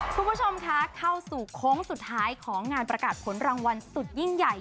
คุณผู้ชมคะเข้าสู่โค้งสุดท้ายของงานประกาศผลรางวัลสุดยิ่งใหญ่